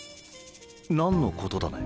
何のことだね？